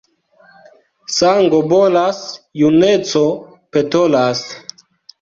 Sango bolas, juneco petolas.